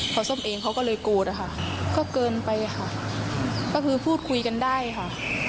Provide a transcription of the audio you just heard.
พอส้มเองเขาก็เลยโกรธอะค่ะก็เกินไปค่ะก็คือพูดคุยกันได้ค่ะ